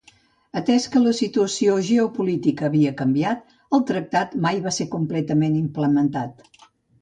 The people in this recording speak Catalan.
Atès que la situació geopolítica havia canviat, el tractat mai va ser completament implementat.